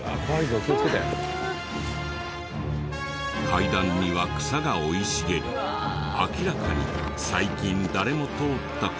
階段には草が生い茂り明らかに最近誰も通った痕跡はない。